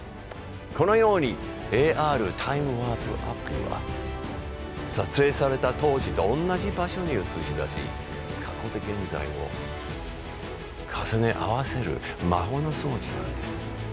このようにＡＲタイムワープアプリは撮影された当時と同じ場所に映し出し過去と現在を重ね合わせる魔法の装置なんです。